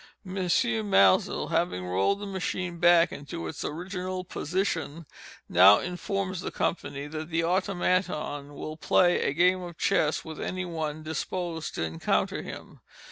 M. Maelzel, having rolled the machine back into its original position, now informs the company that the Automaton will play a game of chess with any one disposed to encounter him.